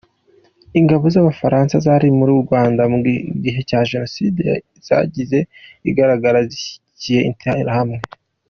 Ingabo z’Abafaransa zari mu Rwanda mu gihe cya Jenoside zagiye zigaragara zishyigikiye Interahamwe.